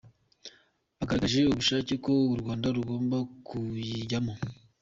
Bagaragaje ubushake ko u Rwanda rugomba kuyijyamo.